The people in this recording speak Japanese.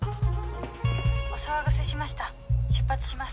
お騒がせしました出発します。